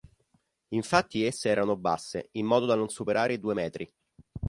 Infatti esse erano basse in modo da non superare i due metri.